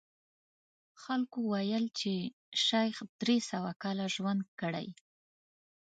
خلکو ویل چې شیخ درې سوه کاله ژوند کړی.